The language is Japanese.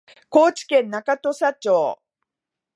高知県中土佐町